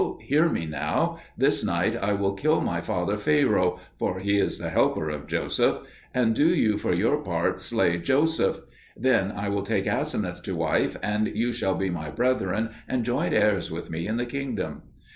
Hear me now: this night I will kill my father Pharaoh for he is the helper of Joseph and do you for your part slay Joseph. Then I will take Aseneth to wife, and you shall be my brethren and joint heirs with me in the kingdom."